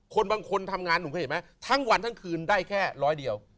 คนบางคนทำงานหนูเห็นไหมทั้งวันทั้งคืนได้แค่๑๐๐เะสเดียว